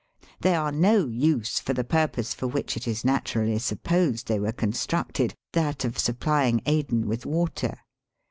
They are no use for the purpose for which it is naturally supposed they were constructed, that of supplying Aden with water.